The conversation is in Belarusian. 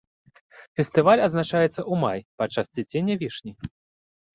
Фестываль адзначаецца ў маі падчас цвіцення вішні.